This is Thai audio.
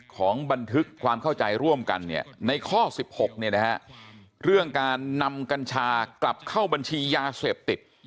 ของบันทึกความเข้าใจร่วมกันในข้อ๑๖เรื่องการนำกัญชากลับเข้าบัญชียาเสพติด